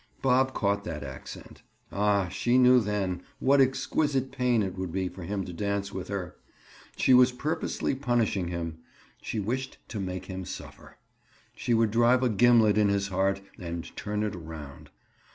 Bob caught that accent. Ah, she knew then, what exquisite pain it would be for him to dance with her! She was purposely punishing him; she wished to make him suffer. She would drive a gimlet in his heart and turn it around.